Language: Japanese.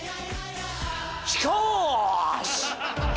しかーし！